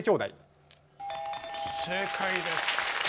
正解です。